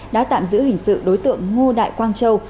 đã tạm giữ hình sự đối tượng ngô đại quang châu